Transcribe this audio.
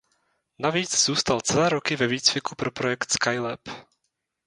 Navíc zůstal celé roky ve výcviku pro projekt Skylab.